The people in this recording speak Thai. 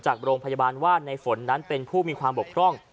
จากโรงพยาบาลว่าในฝนนั้นเป็นผู้มีความบกพร่อง